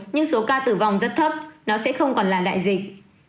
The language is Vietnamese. nhưng số ca tử vong rất thấp nó sẽ không còn là đại dịch